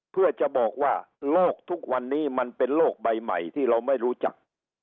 เพื่อจะบอกว่าโลกทุกวันนี้มันเป็นโลกใบใหม่ที่เราไม่รู้จัก